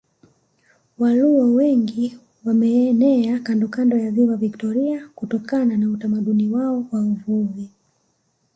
Waluo wengi wameenea kandokando ya Ziwa Viktoria kutokana na utamaduni wao wa uvuvi